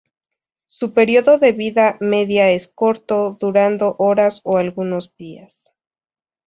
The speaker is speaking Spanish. Su periodo de vida media es corto, durando horas o algunos días.